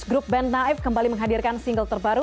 grup band naif kembali menghadirkan single terbaru